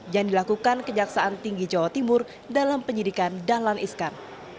yang dilakukan kejaksaan tinggi jawa timur dalam penyidikan dahlan iskan